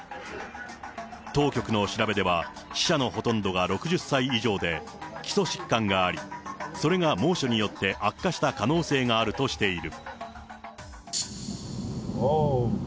当局の調べでは、死者のほとんどが６０歳以上で、基礎疾患があり、それが猛暑によって悪化した可能性があるとしている。